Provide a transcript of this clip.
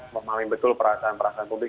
memahami betul perasaan perasaan publik